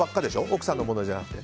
奥さんのものじゃなくて。